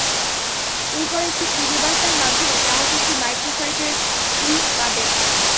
এরপর একটি খুদে বার্তার মাধ্যমে গ্রাহক একটি মাইক্রো সাইটের লিঙ্ক পাবেন।